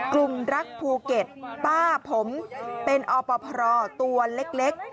กลุ่มรักภูเก็ตป้าผมเป็นอปพรตัวเล็ก